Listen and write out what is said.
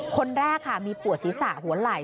คนแรกค่ะมีปวดศีรษะหัวไหล่